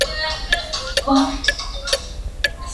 kumeza kwa mdomo kupunguza uhalifu unaotekelezwa na watumiaji